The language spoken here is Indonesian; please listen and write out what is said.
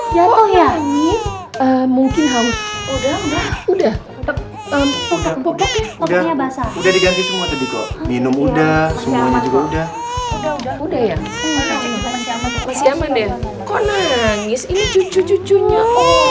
jangan lupa subscribe channel ini untuk dapat info terbaru dari kami